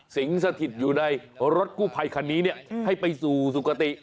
สถิตอยู่ในรถกู้ภัยคันนี้ให้ไปสู่สุขติ